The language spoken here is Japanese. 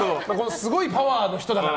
すごいパワーの人だから。